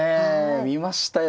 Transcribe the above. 見ましたよ。